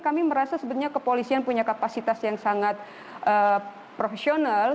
kami merasa sebetulnya kepolisian punya kapasitas yang sangat profesional